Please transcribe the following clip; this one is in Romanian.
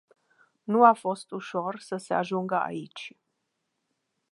Nu a fost ușor să se ajungă aici.